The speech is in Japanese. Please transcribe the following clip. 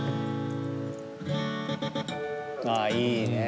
ああいいね。